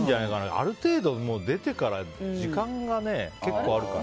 ある程度、出てから時間が結構あるから。